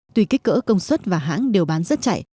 tùy kích cỡ công suất và hãng đều bán rất chạy